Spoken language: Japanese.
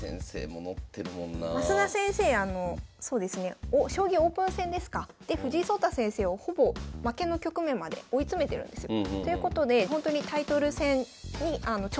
あのそうですね将棋オープン戦ですかで藤井聡太先生をほぼ負けの局面まで追い詰めてるんですよ。ということでほんとにタイトル戦にいつ挑戦してもおかしくない。